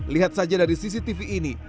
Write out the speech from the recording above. lihat saja dari cctv ini